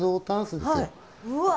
うわ。